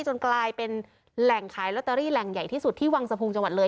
จนกลายเป็นแหล่งขายลอตเตอรี่แหล่งใหญ่ที่สุดที่วังสะพุงจังหวัดเลย